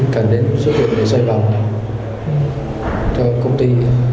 cần đến số tiền để xoay bằng cho công ty